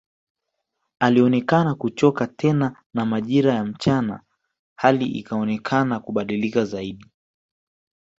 Alionekana kuchoka tena na majira ya mchana hali ikaonekana kubadilika zaidi